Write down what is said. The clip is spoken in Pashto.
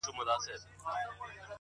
په موږ کي بند دی”